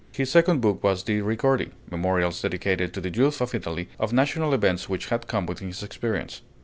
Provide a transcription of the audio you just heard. His second book was the 'Ricordi,' memorials dedicated to the youth of Italy, of national events which had come within his experience.